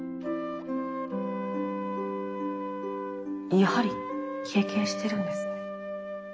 やはり経験してるんですね。